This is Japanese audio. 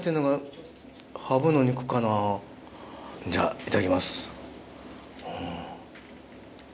じゃあいただきます。